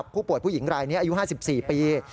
ผู้หญิงรายนี้อายุ๕๔ปี